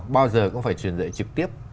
bao giờ cũng phải truyền dạy trực tiếp